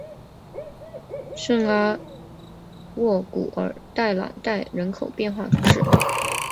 圣阿沃古尔代朗代人口变化图示